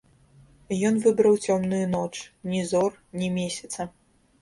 Ён выбраў цёмную ноч, ні зор, ні месяца.